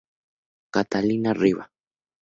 Catalina Riba.